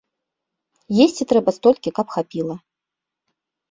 Есці трэба столькі, каб хапіла.